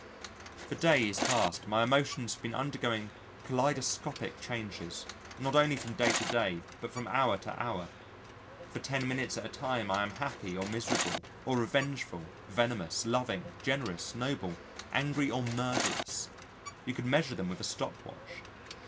For days past my emotions have been undergoing kaleidoscopic changes, not only from day to day but from hour to hour. For ten minutes at a time I am happy or miserable, or revengeful, venomous, loving, generous, noble, angry, or murderous you could measure them with a stop watch.